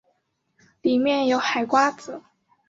里面有海瓜子